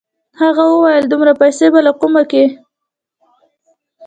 هغه وويل دومره پيسې به له کومه کې.